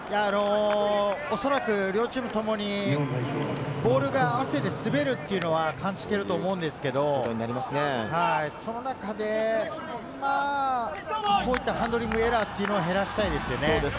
おそらく両チームともにボールが汗で滑るというのを感じていると思うんですけれど、その中でこういったハンドリングエラーというのは減らしたいですよね。